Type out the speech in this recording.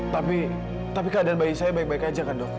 tapi tapi keadaan bayi saya baik baik aja kan dok